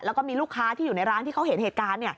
แล้วก็มีลูกค้าที่อยู่ในร้านที่เขาเห็นเหตุการณ์